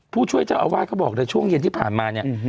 ผู้ช่วยเจ้าอาวาทก็บอกช่วงเย็นที่ผ่านมา